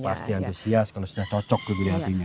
pasti antusias kalau sudah cocok kewilayah dirinya